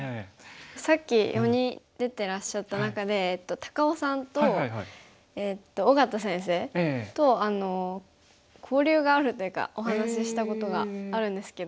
さっき４人出てらっしゃった中で高雄さんと小県先生と交流があるというかお話ししたことがあるんですけど。